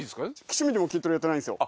趣味でも筋トレやってないんですよ。